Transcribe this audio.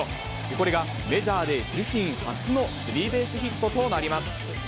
これがメジャーで自身初のスリーベースヒットとなります。